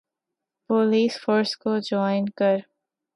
police force کو join کر